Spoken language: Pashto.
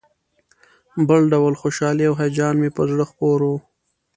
بل ډول خوشالي او هیجان مې پر زړه خپور و.